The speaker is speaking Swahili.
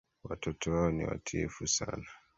Watoto wao ni watiifu sana